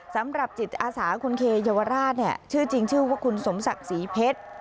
สำหรับจิตอาสาคุณเคเยาวราชเนี่ยชื่อจริงชื่อว่าคุณสมศักดิ์ศรีเพชร